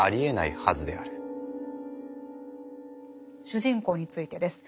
主人公についてです。